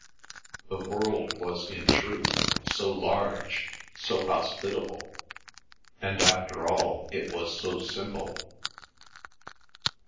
The world was in truth so large, so hospitable, and after all it was so simple.